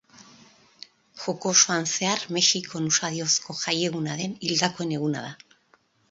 Joko osoan zehar Mexikon usadiozko jaieguna den Hildakoen Eguna da.